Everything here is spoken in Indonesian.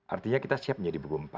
artinya kita siapnya di buku empat